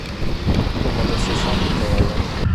کومه دسیسه نه کوله.